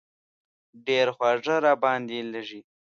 ډېر خواږه را باندې لږي.